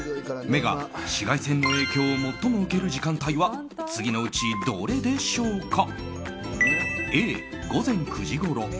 目が紫外線の影響を最も受ける時間帯は次のうちどれでしょうか。